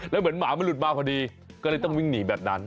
แล้วเหมือนหมามันหลุดมาพอดีก็เลยต้องวิ่งหนีแบบนั้น